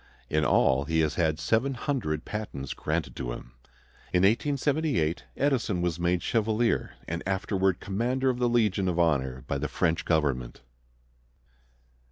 In all he has had seven hundred patents granted to him. In 1878 Edison was made Chevalier and afterward Commander of the Legion of Honor by the French government.